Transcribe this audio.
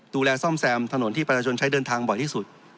ดูแลซ่อมแซมถนนที่ประชาชนใช้เดินทางบ่อยที่สุด